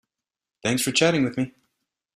Thanks for chatting with me.